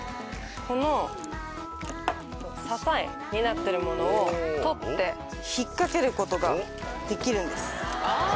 この支えになってるものを取って引っ掛けることができるんです。